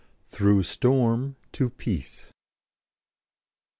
THROUGH STORM TO PEACE.